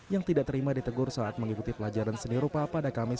yang tidak terima ditegur saat mengikuti pelajaran seni rupa pada kamis